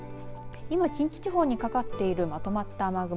今、近畿地方にかかっているまとまった雨雲